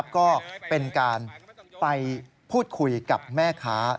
ก็เป็นการไปพูดคุยกับแม่ค้า